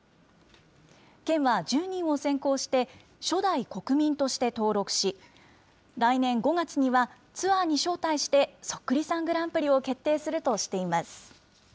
県は１０人を選考して、初代国民として登録し、来年５月には、ツアーに招待してそっくりさんグランプリを決定するとしています。